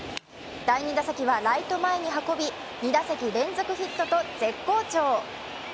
第２打席はライト前に運び２打席連続ヒットと絶好調。